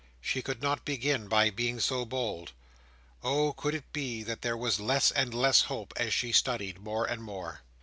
She could not begin by being so bold. Oh! could it be that there was less and less hope as she studied more and more!